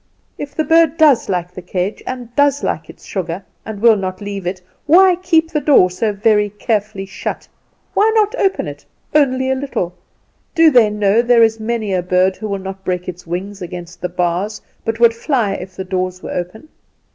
"If the bird does like its cage, and does like its sugar and will not leave it, why keep the door so very carefully shut? Why not open it, only a little? Do they know there is many a bird will not break its wings against the bars, but would fly if the doors were open?"